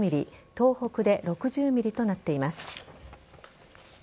東北で６０ｍｍとなっています。